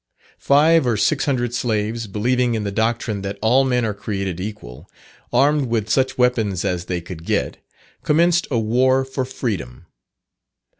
Five or six hundred slaves, believing in the doctrine that "all men are created equal," armed with such weapons as they could get, commenced a war for freedom.